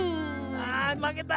あまけた。